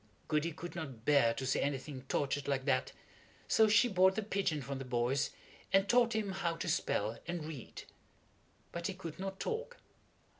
Goody could not bear to see anything tortured like that, so she bought the pigeon from the boys and taught him how to spell and read. But he could not talk.